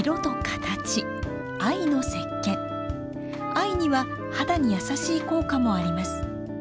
藍には肌に優しい効果もあります。